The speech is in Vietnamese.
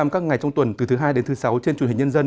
các ngày trong tuần từ thứ hai đến thứ sáu trên truyền hình nhân dân